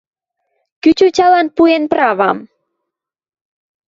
Кӱ тьотялан пуэн правам